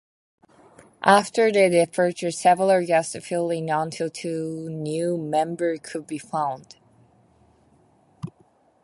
After their departure, several guests filled-in until two new members could be found.